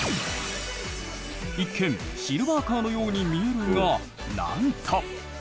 一見シルバーカーのように見えるがなんと！